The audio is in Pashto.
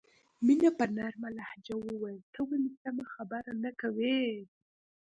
مینه په نرمه لهجه وویل ته ولې سمه خبره نه کوې